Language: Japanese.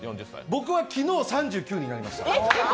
僕は昨日、３９になりました。